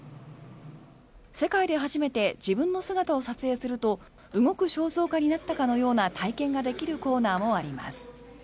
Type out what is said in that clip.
世界で初めて自分の姿を撮影すると動く肖像画になったかのような体験ができるコーナーもあります。